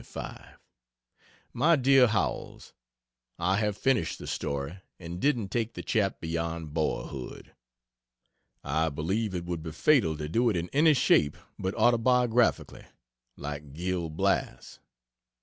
MY DEAR HOWELLS, I have finished the story and didn't take the chap beyond boyhood. I believe it would be fatal to do it in any shape but autobiographically like Gil Blas.